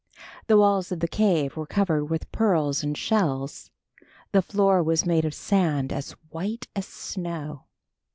The walls of the cave were covered with pearls and shells. The floor was made of sand as white as snow.